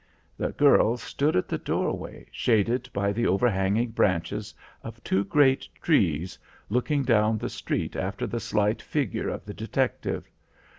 The girl stood at the doorway shaded by the overhanging branches of two great trees, looking down the street after the slight figure of the detective.